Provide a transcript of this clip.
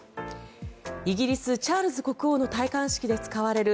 イギリス、チャールズ国王の戴冠式で使われる